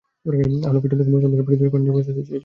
আমরা পিছন থেকে মুসলমানদের পৃষ্ঠদেশে খঞ্জর বসাতে চেয়েছিলাম।